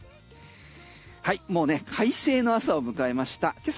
快晴の朝を迎えました。